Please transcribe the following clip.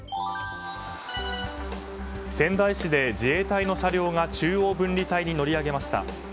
仙台市で自衛隊の車両が中央分離帯に乗り上げました。